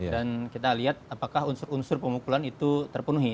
dan kita lihat apakah unsur unsur pemukulan itu terpenuhi